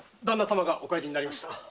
旦那さまがお帰りになりました。